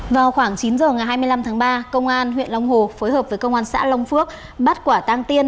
vào khoảng chín h ngày hai mươi năm tháng ba công an huyện long hồ phối hợp với công an xã long phước bắt quả tang tiên